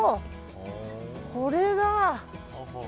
これだ。